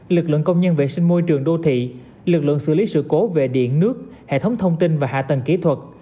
lực lượng công nhân vệ sinh môi trường đô thị lực lượng xử lý sự cố về điện nước hệ thống thông tin và hạ tầng kỹ thuật